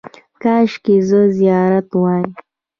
– کاشکې زه زیارت وای.